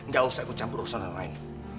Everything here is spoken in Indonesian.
ga usah kamu campur urusan orang lain